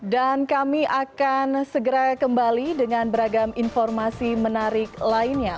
dan kami akan segera kembali dengan beragam informasi menarik lainnya